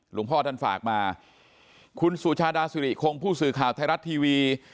หลวงพ่อท่านฝากมาคุณสุชาดาสิริคงผู้สื่อข่าวไทยรัฐทีวี